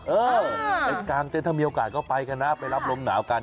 เออไปกลางเต้นถ้ามีโอกาสก็ไปกันนะไปรับลมหนาวกัน